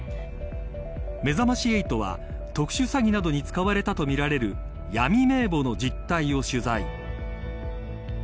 めざまし８は特殊詐欺などに使われたとみられる「ファンクロス」